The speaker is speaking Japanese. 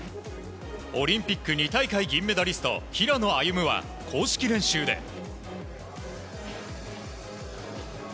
オリンピック２大会銀メダリスト、平野歩夢は、公式練習で。